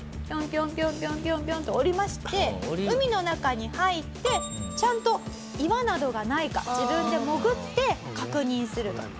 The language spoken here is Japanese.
ピョンピョンピョンピョンピョンピョンと下りまして海の中に入ってちゃんと岩などがないか自分で潜って確認すると。